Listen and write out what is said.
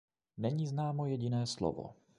Není známo jediné slovo.